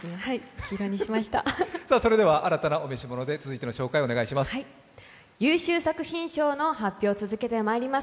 新たなお召し物で続いての紹介をお願いします。